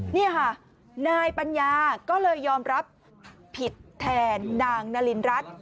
นี่ค่ะนายปัญญาก็เลยยอมรับผิดแทนนางนารินรัฐ